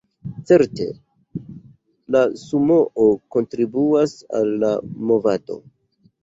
Certe la Sumoo kontribuas al la movado.